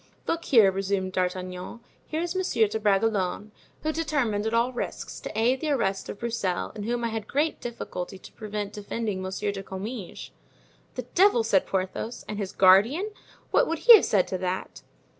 "Look here," resumed D'Artagnan; "here is Monsieur de Bragelonne, who determined at all risks to aid the arrest of Broussel and whom I had great difficulty to prevent defending Monsieur de Comminges." "The devil!" said Porthos; "and his guardian, what would he have said to that?"